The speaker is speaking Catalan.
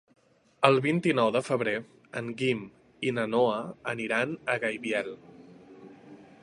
El vint-i-nou de febrer en Guim i na Noa aniran a Gaibiel.